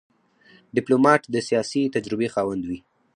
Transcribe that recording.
ډيپلومات د سیاسي تجربې خاوند وي.